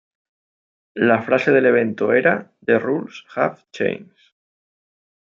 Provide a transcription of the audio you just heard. La frase del evento era ""The Rules Have Changed"".